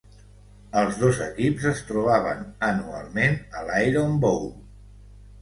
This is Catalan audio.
Els dos equips es trobaven anualment a l'Iron Bowl.